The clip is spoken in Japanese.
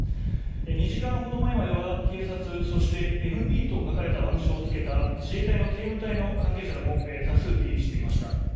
２時間ほど前までは警察ＭＰと書かれた腕章をつけた自衛隊の警務隊の関係者らも多数出入りしていました。